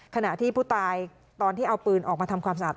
ขณะที่ผู้ตายตอนที่เอาปืนออกมาทำความสะอาด